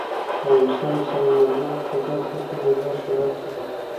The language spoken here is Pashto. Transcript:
افغانستان د سنگ مرمر په برخه کې نړیوال شهرت لري.